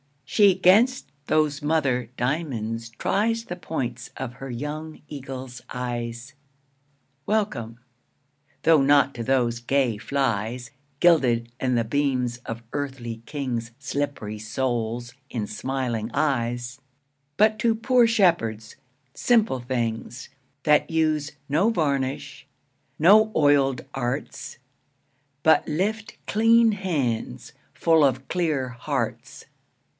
She 'gainst those mother diamonds tries The points of her young eagle's eyes. Welcome, (though not to those gay flies Guilded i'th' beams of earthly kings Slippery souls in smiling eyes) But to poor Shepherds, simple things, That use no varnish, no oil'd arts, But lift clean hands full of clear hearts.